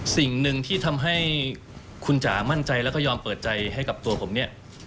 สิ่งหนึ่งที่ทำให้คุณจ๋ามั่นใจแล้วก็ยอมเปิดใจให้กับตัวผมเนี่ย